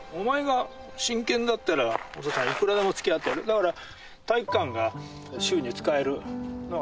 だから。